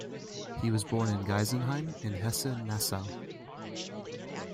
He was born in Geisenheim in Hesse-Nassau.